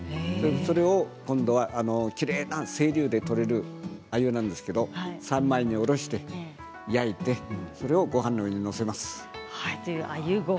それを今度はきれいな清流で取れる鮎なんですけれども３枚におろして焼いてそれをごはんの上に載せます。